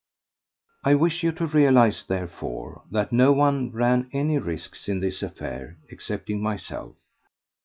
I wish you to realize, therefore, that no one ran any risks in this affair excepting myself.